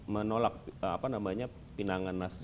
menolak pinangan nasdem